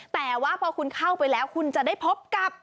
แต่ว่าพอคุณเข้าไปแล้วคุณจะได้พบกับ